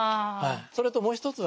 それともう一つはね